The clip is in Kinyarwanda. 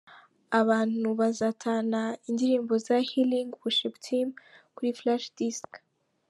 Abantu bazatahana indirimbo za Healing worship team kuri Flash disc.